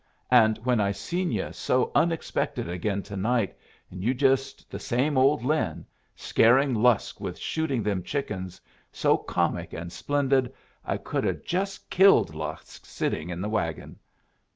And when I seen you so unexpected again to night, and you just the same old Lin, scaring Lusk with shooting them chickens, so comic and splendid, I could 'a' just killed Lusk sittin' in the wagon.